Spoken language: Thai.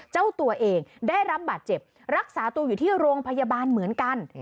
เจ้าตัวเองได้รับบาดเจ็บรักษาตัวอยู่ที่โรงพยาบาลเหมือนกัน